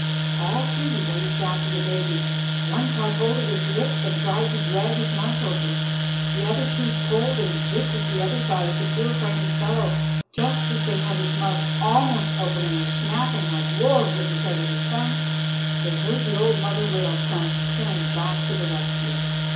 All three raced after the baby. One caught hold of his lip and tried to drag his mouth open. The other two pulled and bit at the other side of the poor frightened fellow. Just as they had his mouth almost open, and were snapping like wolves at sight of his tongue, they heard the old mother whale come tearing back to the rescue.